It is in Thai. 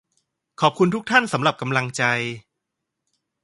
ขอบคุณทุกท่านสำหรับกำลังใจ